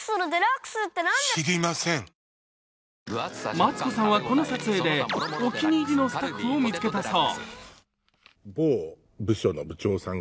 マツコさんはこの撮影でお気に入りのスタッフを見つけたそう。